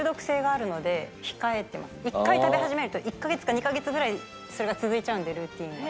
１回食べ始めると１カ月か２カ月ぐらいそれが続いちゃうんでルーティンが。